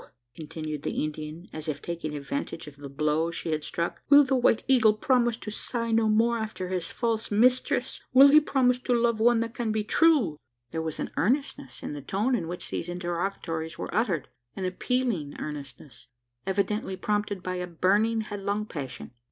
continued the Indian, as if taking advantage of the blow she had struck, "will the White Eagle promise to sigh no more after his false mistress? Will he promise to love one that can be true?" There was an earnestness in the tone in which these interrogatories were uttered an appealing earnestness evidently prompted by a burning headlong passion.